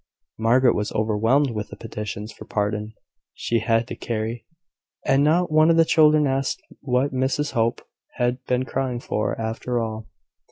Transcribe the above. Margaret was overwhelmed with the petitions for pardon she had to carry; and not one of the children asked what Mrs Hope had been crying for, after all.